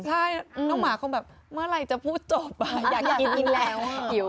ใช่น้องหมาคงแบบเมื่อไหร่จะพูดจบอยากกินกินแล้วหิว